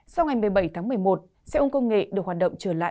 sau ngày một mươi bảy tháng một mươi một xe ôn công nghệ được hoạt động trở lại